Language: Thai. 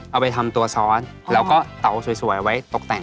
เอาไปทำตัวซ้อนแล้วก็เตาสวยไว้ตกแต่ง